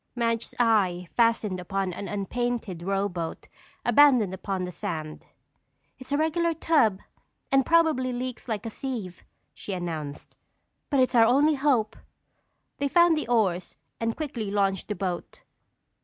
Madge's eye fastened upon an unpainted rowboat abandoned upon the sand. "It's a regular tub and probably leaks like a sieve," she announced, "but it's our only hope." They found the oars and quickly launched the boat.